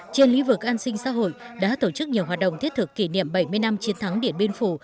trên lý vực an sinh xã hội đã tổ chức nhiều hoạt động thiết thực kỷ niệm bảy mươi năm chiến thắng điện biên phủ